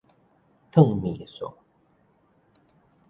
燙麵線